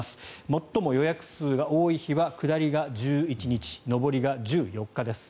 最も予約数が多い日は下りが１１日上りが１４日です。